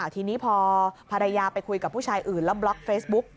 ทีนี้พอภรรยาไปคุยกับผู้ชายอื่นแล้วบล็อกเฟซบุ๊ก